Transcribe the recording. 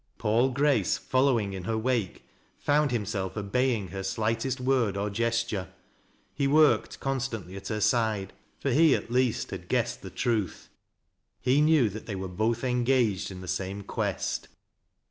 Paul Grace, following in her wake, found himself obeying her slightest word or gest ure. He worked constantly at her side, for he, at least, had guessed the truth. He knew that they were both en gaged in the same quest.